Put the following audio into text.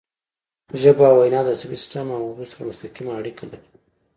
ژبه او وینا د عصبي سیستم او مغزو سره مستقیمه اړیکه لري